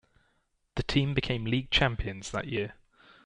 The team became league champions that year.